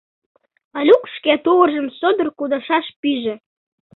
Олюк шке тувыржым содор кудашаш пиже.